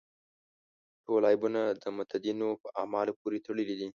ټول عیبونه د متدینو په اعمالو پورې تړلي دي.